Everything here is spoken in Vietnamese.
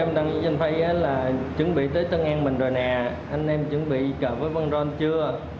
em đang ở trên phây là chuẩn bị tới tân an mình rồi nè anh em chuẩn bị cờ với văn ron chưa